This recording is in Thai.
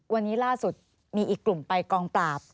วันนี้ล่าสุดมีอีกกลุ่มไปกองปราบ